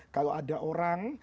kalau ada orang